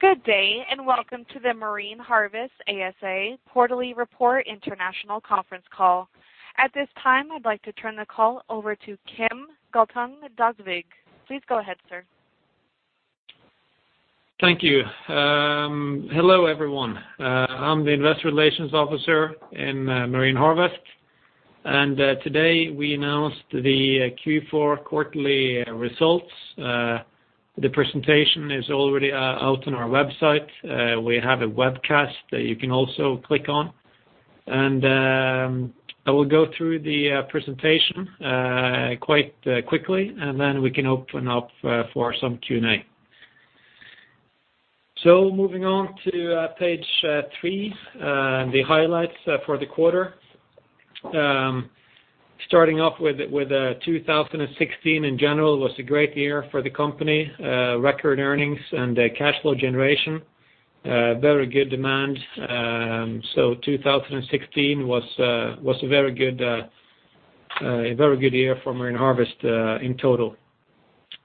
Good day, welcome to the Marine Harvest ASA quarterly report international conference call. At this time, I'd like to turn the call over to Kim Galtung Døsvig. Please go ahead, sir. Thank you. Hello, everyone. I'm the Investor Relations Officer in Marine Harvest. Today we announced the Q4 quarterly results. The presentation is already out on our website. We have a webcast that you can also click on. I will go through the presentation quite quickly, then we can open up for some Q&A. Moving on to page three, the highlights for the quarter. Starting off with 2016 in general, was a great year for the company. Record earnings and cash flow generation. Very good demand. 2016 was a very good year for Marine Harvest in total.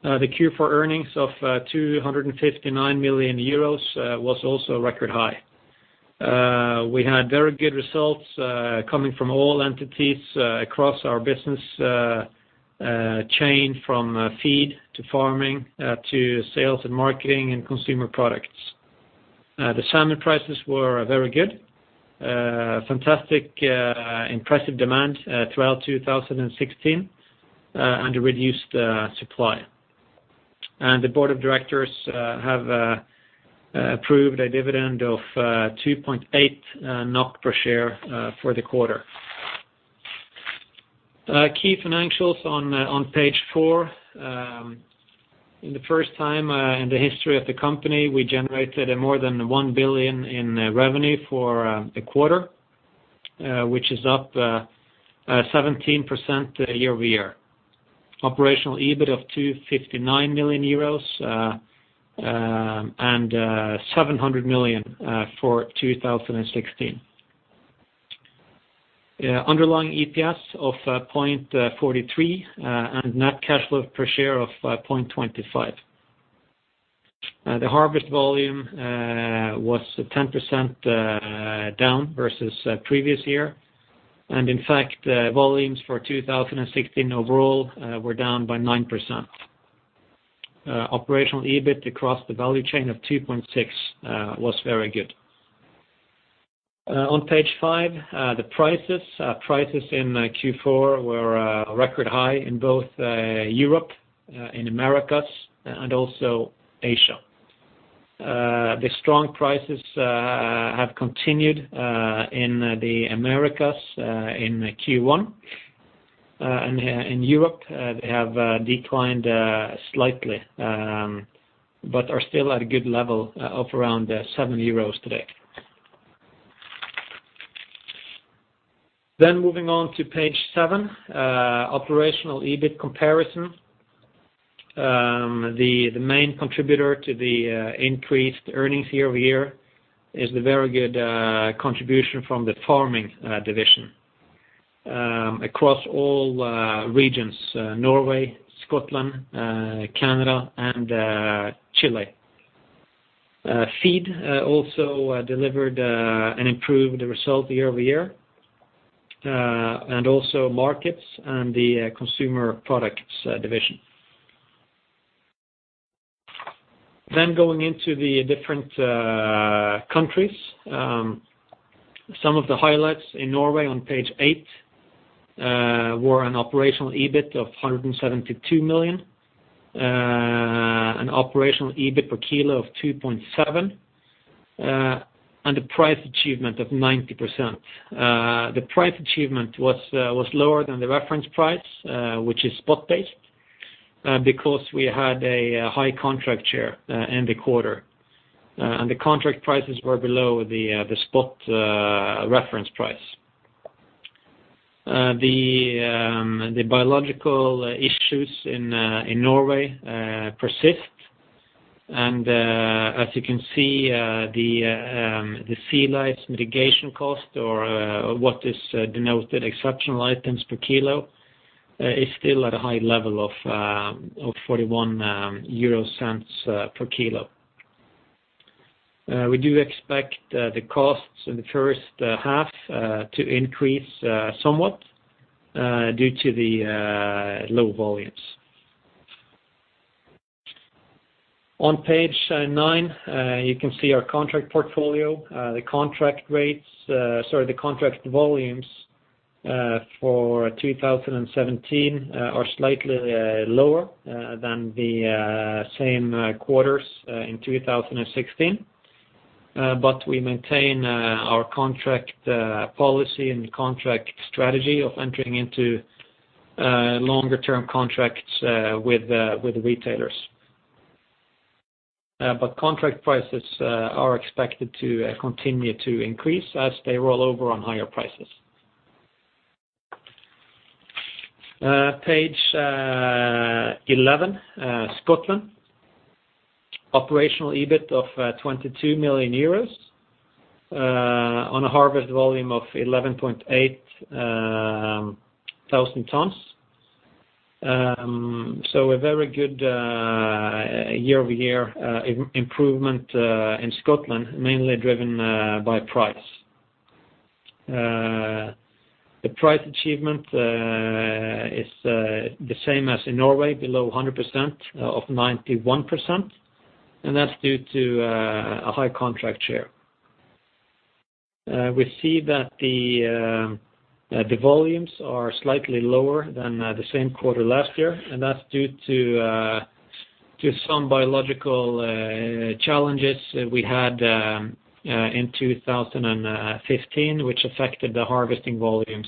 The Q4 earnings of 259 million euros was also a record high. We had very good results coming from all entities across our business chain, from feed to farming to sales and marketing and Consumer Products. The salmon prices were very good. Fantastic impressive demand throughout 2016 and reduced supply. The board of directors have approved a dividend of 2.8 NOK per share for the quarter. Key financials on page four. The first time in the history of the company, we generated more than 1 billion in revenue for the quarter, which is up 17% year-over-year. Operational EBIT of 259 million euros and 700 million for 2016. Underlying EPS of 0.43 and net cash flow per share of 0.25. The harvest volume was 10% down versus the previous year, and in fact, volumes for 2016 overall were down by 9%. Operational EBIT across the value chain of 2.6 was very good. On page five, the prices. Prices in Q4 were a record high in both Europe, in Americas, and also Asia. The strong prices have continued in the Americas in Q1, in Europe they have declined slightly but are still at a good level of around 7 euros today. Moving on to page seven, operational EBIT comparison. The main contributor to the increased earnings year-over-year is the very good contribution from the farming division across all regions, Norway, Scotland, Canada, and Chile. Feed also delivered an improved result year-over-year, and also markets and the Consumer Products division. Going into the different countries. Some of the highlights in Norway on page eight were an operational EBIT of 172 million, an operational EBIT per kilo of 2.7, and a price achievement of 90%. The price achievement was lower than the reference price which is spot based because we had a high contract share in the quarter. The contract prices were below the spot reference price. The biological issues in Norway persist and as you can see, the sea lice mitigation cost or what is denoted exceptional items per kilo is still at a high level of 0.41 per kilo. We do expect the costs in the first half to increase somewhat due to the low volumes. On page nine, you can see our contract portfolio. The contract rates, sorry, the contract volumes for 2017 are slightly lower than the same quarters in 2016. We maintain our contract policy and contract strategy of entering into longer-term contracts with retailers. Contract prices are expected to continue to increase as they roll over on higher prices. Page 11, Scotland. Operational EBIT of 22 million euros on a harvest volume of 11.8 thousand tons. A very good year-over-year improvement in Scotland, mainly driven by price. The price achievement is the same as in Norway, below 100%, of 91%, that's due to a high contract share. We see that the volumes are slightly lower than the same quarter last year, that's due to some biological challenges that we had in 2015, which affected the harvesting volumes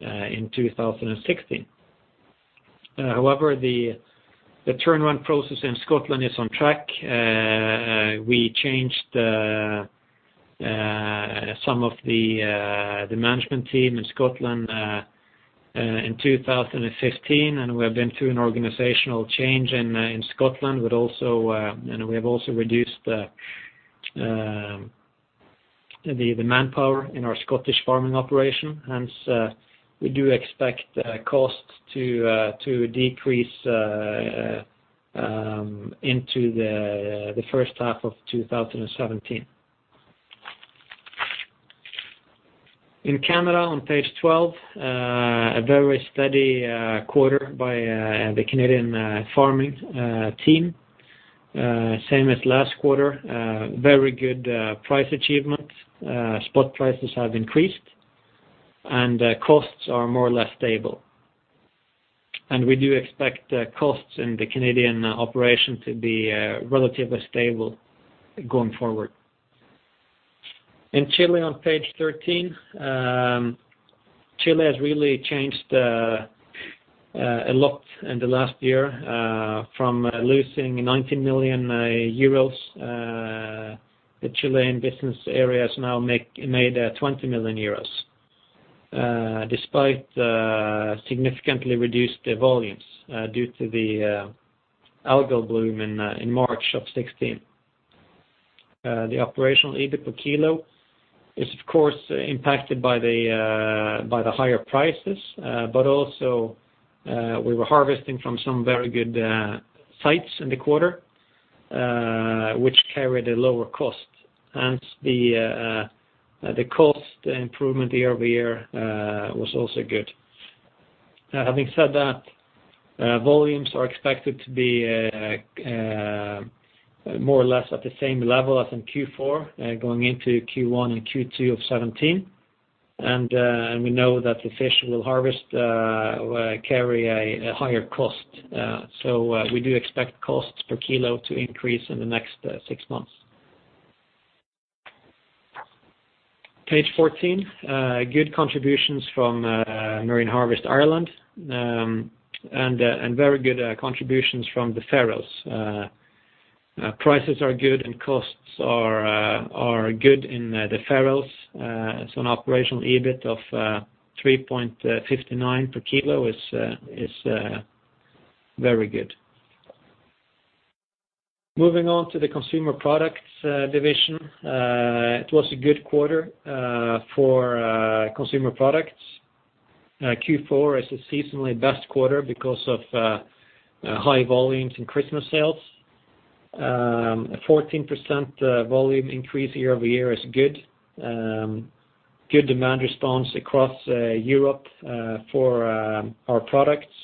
in 2016. However, the turnaround process in Scotland is on track. We changed some of the management team in Scotland in 2015, we have been through an organizational change in Scotland, we have also reduced the manpower in our Scottish farming operation. Hence, we do expect cost to decrease into the first half of 2017. In Canada, on page 12, a very steady quarter by the Canadian farming team. Same as last quarter, very good price achievement. Spot prices have increased, costs are more or less stable. We do expect costs in the Canadian operation to be relatively stable going forward. In Chile, on page 13, Chile has really changed a lot in the last year, from losing 19 million euros, the Chilean business area has now made 20 million euros, despite significantly reduced volumes due to the algal bloom in March of 2016. The operational EBIT per kilo is, of course, impacted by the higher prices. Also, we were harvesting from some very good sites in the quarter, which carried a lower cost. Hence, the cost improvement year-over-year was also good. Having said that, volumes are expected to be more or less at the same level as in Q4, going into Q1 and Q2 of 2017. We know that the fish we'll harvest carry a higher cost. We do expect cost per kilo to increase in the next six months. Page 14. Good contributions from Marine Harvest Ireland and very good contributions from the Faroes. Prices are good and costs are good in the Faroes. An operational EBIT of 3.59 per kilo is very good. Moving on to the Consumer Products division. It was a good quarter for Consumer Products. Q4 is the seasonally best quarter because of high volumes in Christmas sales. 14% volume increase year-over-year is good. Good demand response across Europe for our products.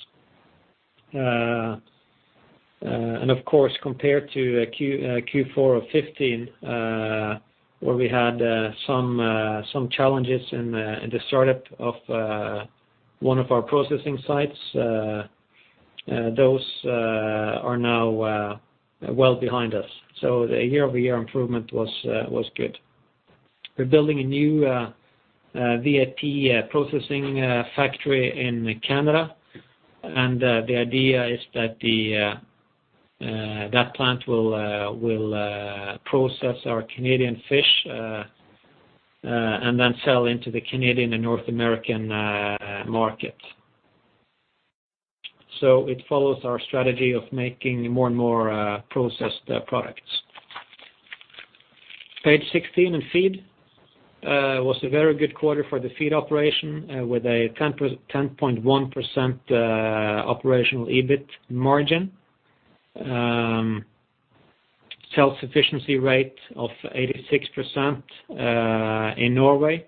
Of course, compared to Q4 of 2015, where we had some challenges in the startup of one of our processing sites, those are now well behind us. The year-over-year improvement was good. We're building a new VAP processing factory in Canada, and the idea is that that plant will process our Canadian fish and then sell into the Canadian and North American market. It follows our strategy of making more and more processed products. Page 16, in Feed. It was a very good quarter for the Feed operation with a 10.1% operational EBIT margin. Self-sufficiency rate of 86% in Norway,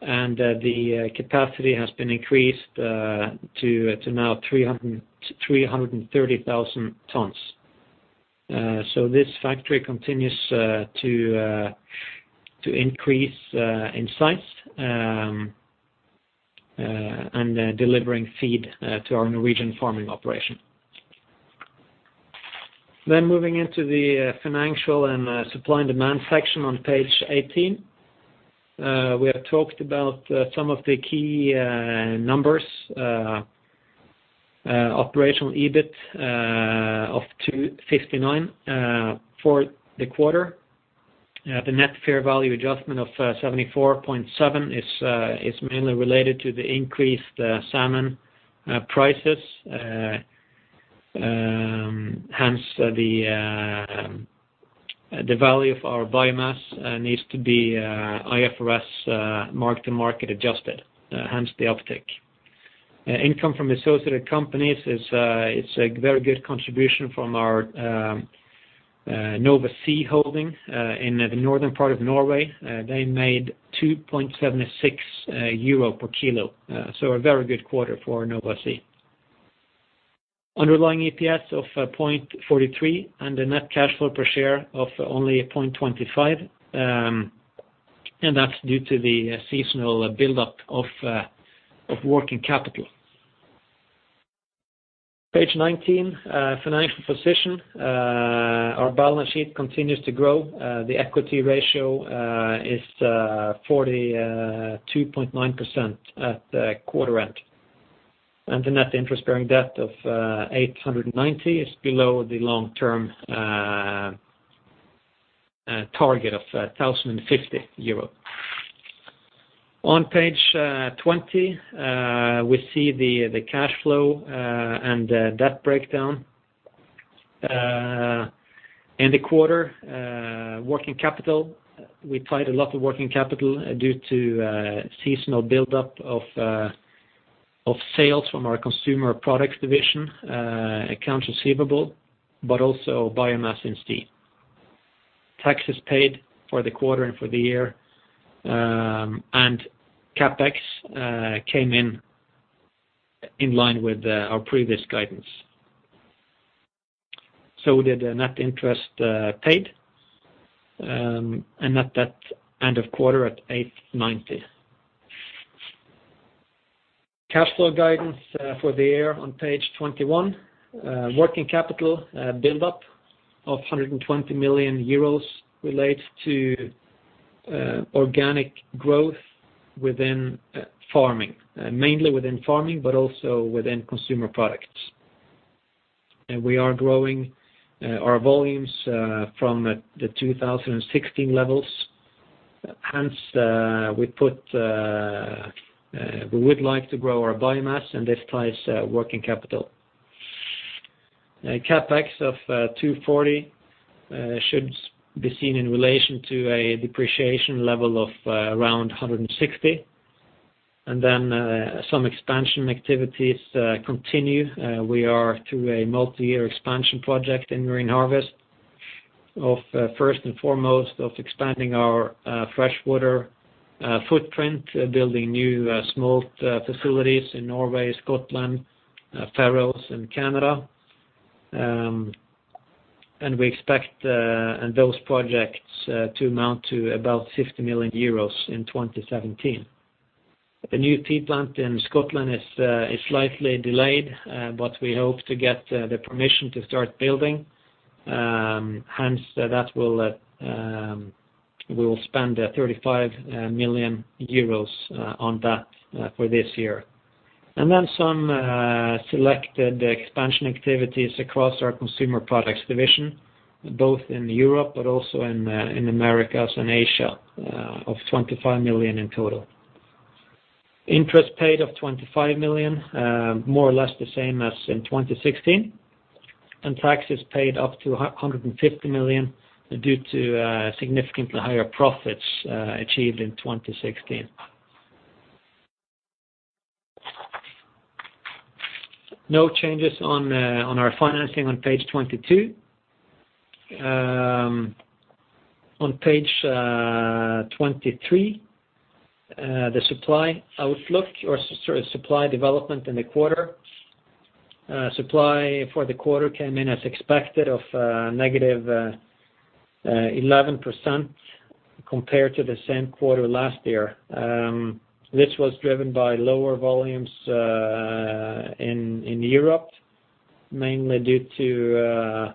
and the capacity has been increased to now 330,000 tons. This factory continues to increase in size and delivering feed to our Norwegian farming operation. Moving into the financial and supply and demand section on page 18. We have talked about some of the key numbers, operational EBIT of 259 for the quarter. The net fair value adjustment of 74.7 is mainly related to the increased salmon prices. Hence, the value of our biomass needs to be IFRS mark-to-market adjusted, hence the uptick. Income from associated companies is a very good contribution from our Nova Sea holding in the northern part of Norway. They made 2.76 euro per kilo, so a very good quarter for Nova Sea. Underlying EPS of 0.43 and the net cash flow per share of only 0.25, and that's due to the seasonal buildup of working capital. Page 19, financial position. Our balance sheet continues to grow. The equity ratio is 42.9% at quarter end, and the net interest-bearing debt of 890 is below the long-term target of 1,050 euro. On page 20, we see the cash flow and the debt breakdown. In the quarter, working capital, we tied a lot of working capital due to seasonal buildup of sales from our Consumer Products division, accounts receivable, but also biomass in sea. Taxes paid for the quarter and for the year, and CapEx came in in line with our previous guidance. So did the net interest paid and net debt end of quarter at 890. Cash flow guidance for the year on page 21. Working capital buildup of 120 million euros relates to organic growth within farming, mainly within farming, also within Consumer Products. We are growing our volumes from the 2016 levels. We would like to grow our biomass. This drives working capital. CapEx of 240 should be seen in relation to a depreciation level of around 160. Some expansion activities continue. We are through a multi-year expansion project in Marine Harvest first and foremost expanding our freshwater footprint, building new smolt facilities in Norway, Scotland, Faroes, and Canada. We expect those projects to amount to about 50 million euros in 2017. The new plant in Scotland is slightly delayed, we hope to get the permission to start building. We will spend 35 million euros on that for this year. Some selected expansion activities across our Consumer Products division, both in Europe but also in the Americas and Asia of 25 million in total. Interest paid of 25 million, more or less the same as in 2016. Taxes paid up to 150 million due to significantly higher profits achieved in 2016. No changes on our financing on page 22. On page 23, the supply outlook, supply development in the quarter. Supply for the quarter came in as expected of -11% compared to the same quarter last year. This was driven by lower volumes in Europe, mainly due to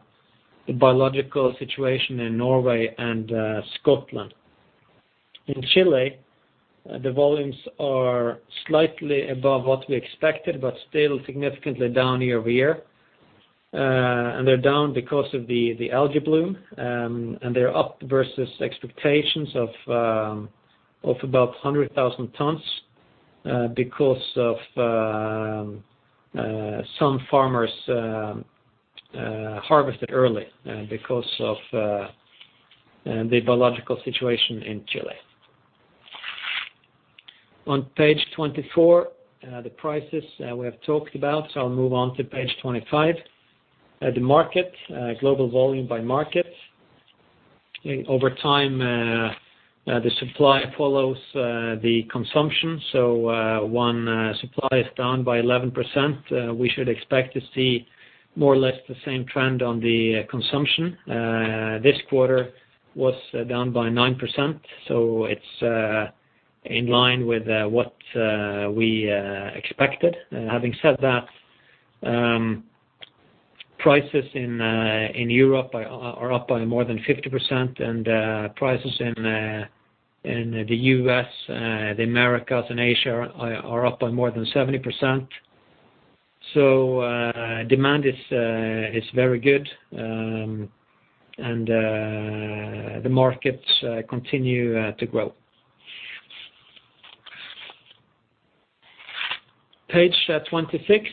the biological situation in Norway and Scotland. In Chile, the volumes are slightly above what we expected, but still significantly down year-over-year. They're down because of the algal bloom, and they're up versus expectations of about 100,000 tons because of some farmers harvested early because of the biological situation in Chile. On page 24, the prices we have talked about, so I'll move on to page 25. The market, global volume by market. Over time, the supply follows the consumption, so when supply is down by 11%, we should expect to see more or less the same trend on the consumption. This quarter was down by 9%, so it's in line with what we expected. Having said that, prices in Europe are up by more than 50%, and prices in the U.S., the Americas, and Asia are up by more than 70%. Demand is very good, and the markets continue to grow. Page 26,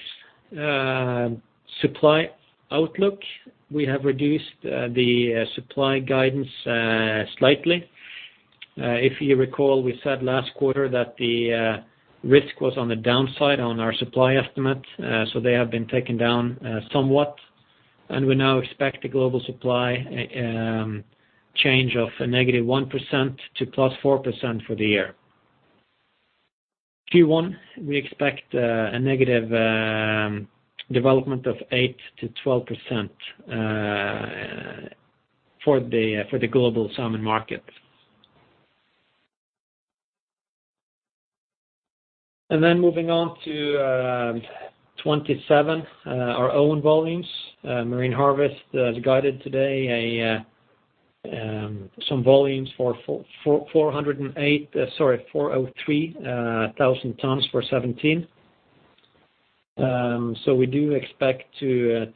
supply outlook. We have reduced the supply guidance slightly. If you recall, we said last quarter that the risk was on the downside on our supply estimate, they have been taken down somewhat, and we now expect a global supply change of -1%-+4% for the year. Q1, we expect a negative development of 8%-12% for the global salmon market. Moving on to 27, our own volumes. Marine Harvest guided today some volumes for 403,000 tons for 2017. We do expect to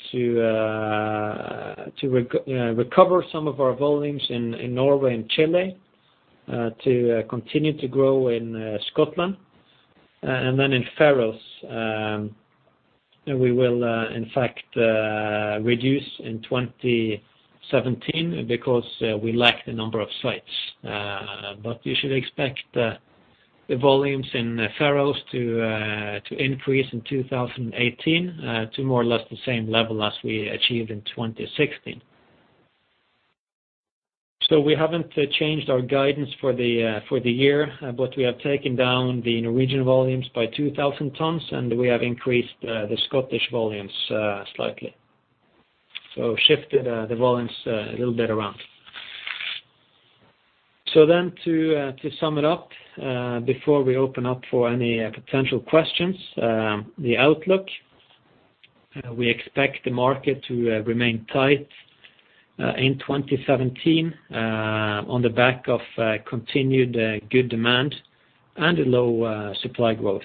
recover some of our volumes in Norway and Chile, to continue to grow in Scotland. In Faroes, we will in fact reduce in 2017 because we lack the number of sites. We should expect the volumes in Faroes to increase in 2018 to more or less the same level as we achieved in 2016. We haven't changed our guidance for the year, but we have taken down the Norwegian volumes by 2,000 tonnes, and we have increased the Scottish volumes slightly. Shifted the volumes a little bit around. To sum it up before we open up for any potential questions, the outlook, we expect the market to remain tight in 2017 on the back of continued good demand and low supply growth.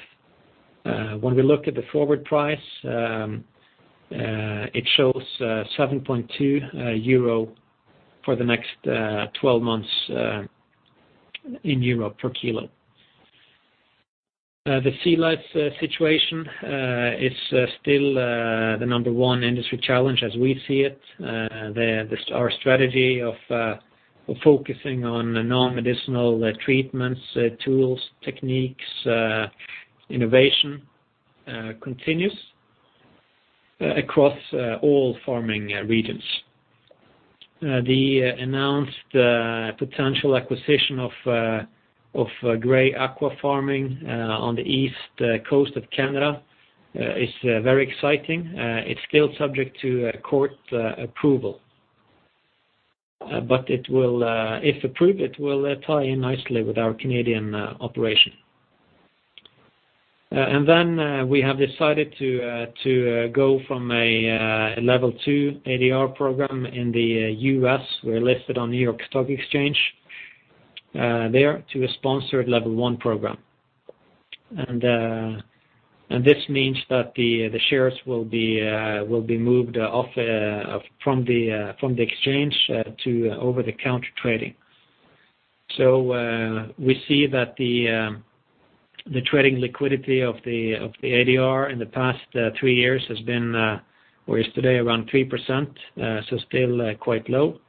When we look at the forward price, it shows 7.2 euro for the next 12 months in EUR per kilo. The sea lice situation, it's still the number one industry challenge as we see it. Our strategy of focusing on non-medicinal treatments, tools, techniques, innovation continues across all farming regions. The announced potential acquisition of Gray Aqua Group on the east coast of Canada is very exciting. It's still subject to court approval. If approved, it will tie in nicely with our Canadian operation. We have decided to go from a level two ADR program in the U.S., we're listed on the New York Stock Exchange there, to a sponsored level one program. This means that the shares will be moved from the exchange to over-the-counter trading. We see that the trading liquidity of the ADR in the past three years has been, or is today, around 3%, so still quite low.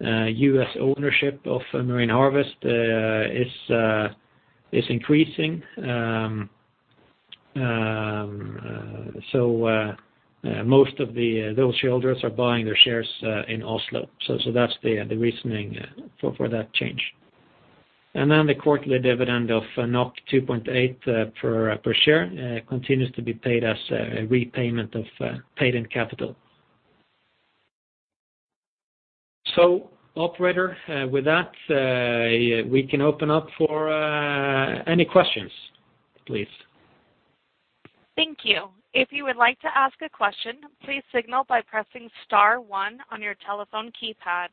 U.S. ownership of Marine Harvest is increasing. Most of those shareholders are buying their shares in Oslo. That's the reasoning for that change. The quarterly dividend of 2.8 per share continues to be paid as a repayment of paid in capital. Operator, with that, we can open up for any questions, please. Thank you. If you would like to ask a question, please signal by pressing star one on your telephone keypad.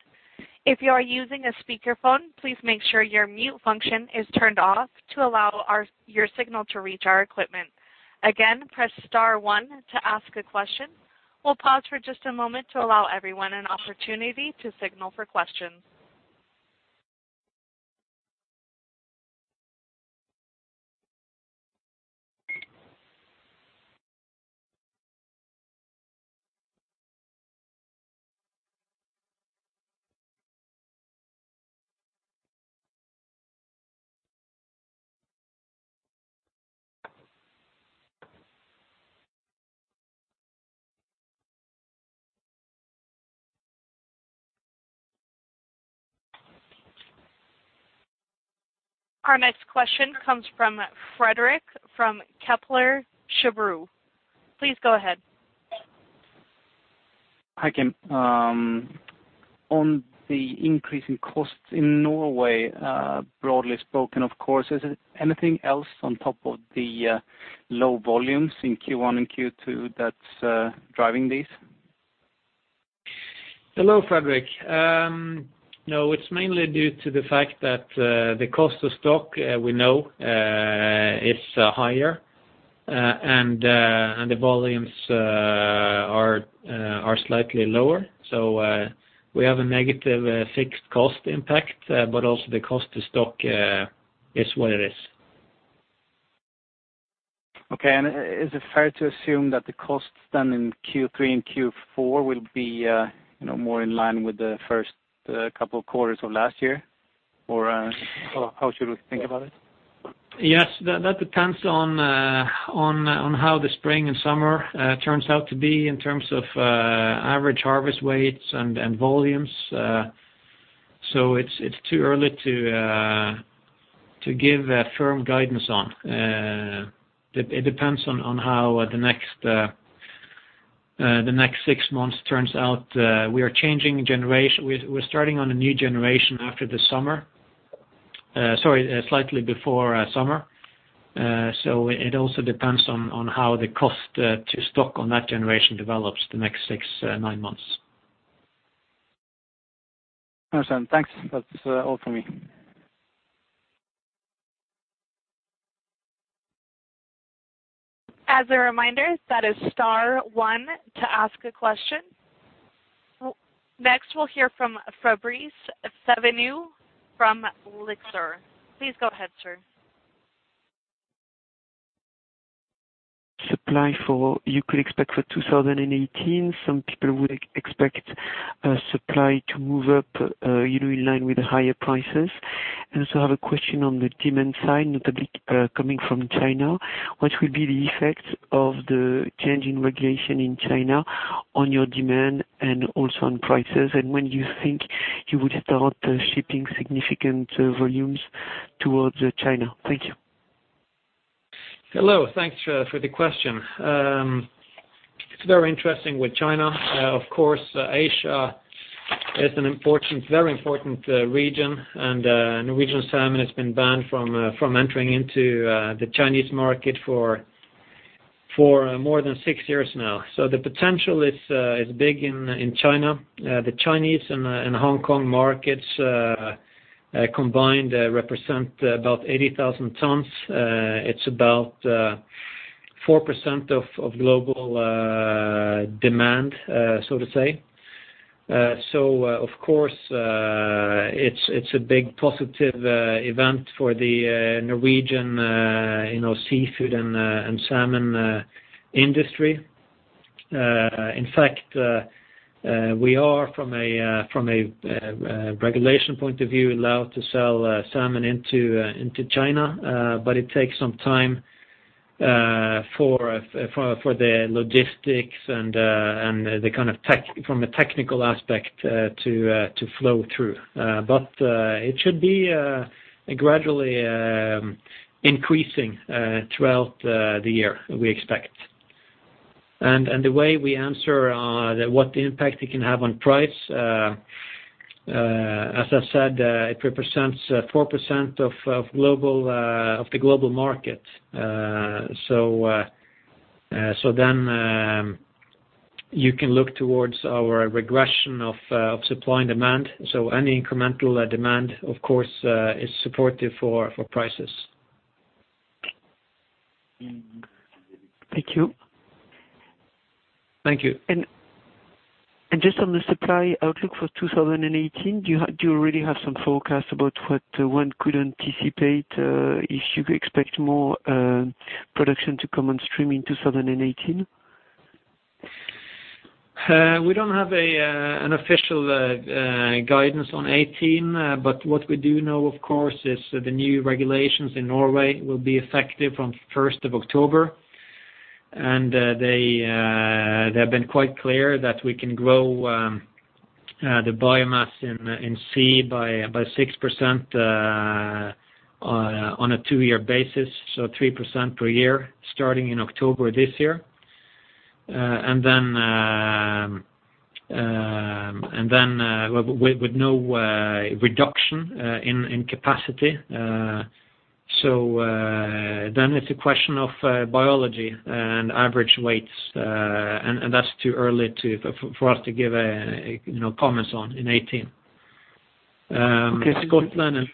If you are using a speakerphone, please make sure your mute function is turned off to allow your signal to reach our equipment. Again, press star one to ask a question. We'll pause for just a moment to allow everyone an opportunity to signal for questions. Our next question comes from Frédéric from Kepler Cheuvreux. Please go ahead. Hi again. On the increasing costs in Norway, broadly spoken, of course, is there anything else on top of the low volumes in Q1 and Q2 that's driving these? Hello, Frédéric. No, it's mainly due to the fact that the cost of smolt, we know, it's higher. The volumes are slightly lower. We have a negative fixed cost impact, but also the cost to stock is what it is. Okay. Is it fair to assume that the costs then in Q3 and Q4 will be more in line with the first two quarters of last year? How should we think about it? Yes. That depends on how the spring and summer turns out to be in terms of average harvest weights and volumes. It's too early to give firm guidance on. It depends on how the next 6 months turns out. We're starting on a new generation after the summer, sorry, slightly before summer. It also depends on how the cost to stock on that generation develops the next six, nine months. Understood. Thanks. That's all from me. As a reminder, that is star one to ask a question. Next, we'll hear from Fabrice Théveneau from Lyxor. Please go ahead, sir. Supply you could expect for 2018. Some people would expect supply to move up in line with higher prices. I also have a question on the demand side, notably coming from China. What will be the effect of the changing regulation in China on your demand and also on prices? When do you think you would start shipping significant volumes towards China? Thank you. Hello. Thanks for the question. It's very interesting with China. Of course, Asia is a very important region, and Norwegian salmon has been banned from entering into the Chinese market for more than six years now. The potential is big in China. The Chinese and Hong Kong markets combined represent about 80,000 tons. It's about 4% of global demand, so to say. Of course, it's a big positive event for the Norwegian seafood and salmon industry. In fact, we are, from a regulation point of view, allowed to sell salmon into China, but it takes some time for the logistics and from a technical aspect to flow through. It should be gradually increasing throughout the year, we expect. The way we answer what impact it can have on price, as I said, it represents 4% of the global market. You can look towards our regression of supply and demand. Any incremental demand, of course, is supportive for prices. Thank you. Thank you. Just on the supply outlook for 2018, do you already have some forecast about what one could anticipate? Should we expect more production to come on stream in 2018? We don't have an official guidance on 2018. What we do know, of course, is the new regulations in Norway will be effective on the 1st of October, and they've been quite clear that we can grow the biomass in sea by about 6% on a two-year basis, so 3% per year starting in October 2016. With no reduction in capacity. It's a question of biology and average weights, and that's too early for us to give comments on in 2018.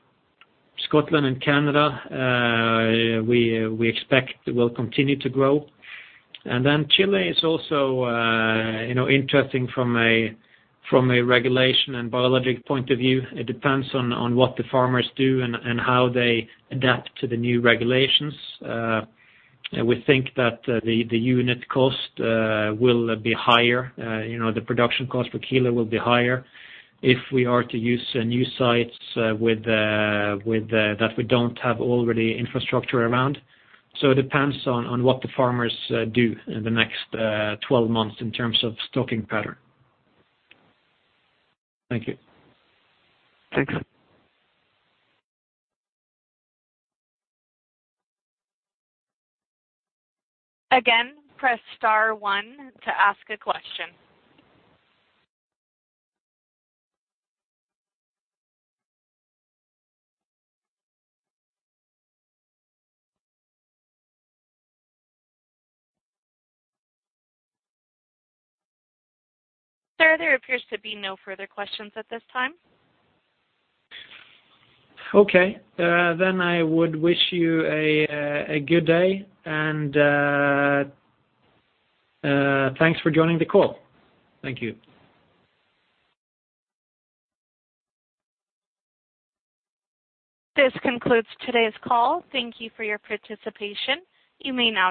Scotland and Canada, we expect will continue to grow. Chile is also interesting from a regulation and biologic point of view. It depends on what the farmers do and how they adapt to the new regulations. We think that the unit cost will be higher, the production cost per kilo will be higher if we are to use new sites that we don't have already infrastructure around. It depends on what the farmers do in the next 12 months in terms of stocking pattern. Thank you. Thanks. Again, press star one to ask a question. Sir, there appears to be no further questions at this time. Okay. I would wish you a good day, and thanks for joining the call. Thank you. This concludes today's call. Thank you for your participation. You may now disconnect.